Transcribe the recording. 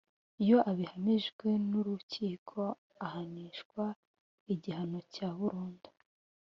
Iyo abihamijwe n’ urukiko ahanishwa igihano cya burundu